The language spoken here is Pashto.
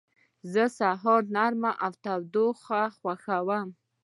زه د سهار نرمه تودوخه خوښوم.